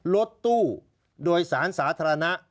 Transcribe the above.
รถตู้โดยสารสาธารณะ